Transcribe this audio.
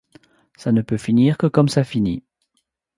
Ça ne peut finir que comme ça finit.